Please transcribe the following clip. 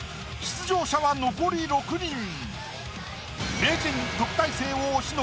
出場者は残り６人。